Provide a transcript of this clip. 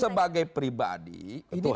sebagai pribadi ini tidak bisa